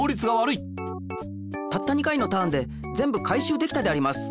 たった２回のターンでぜんぶ回しゅうできたであります。